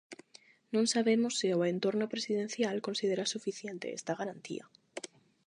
Non sabemos se o "entorno" presidencial considera suficiente esta garantía.